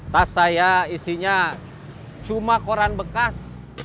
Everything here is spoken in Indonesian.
tas saya isinya cuma koran bekas